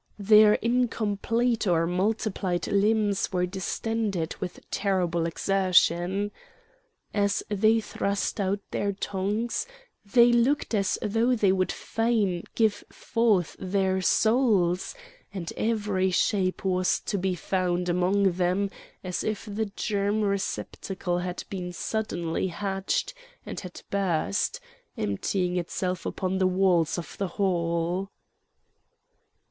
Their incomplete or multiplied limbs were distended with terrible exertion. As they thrust out their tongues they looked as though they would fain give forth their souls; and every shape was to be found among them as if the germ receptacle had been suddenly hatched and had burst, emptying itself upon the walls of the hall.